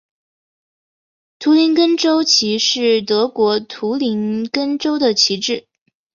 图林根州旗是德国图林根州的旗帜。